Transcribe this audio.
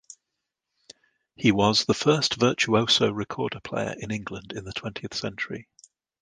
He was "the first virtuoso recorder player in England in the twentieth century".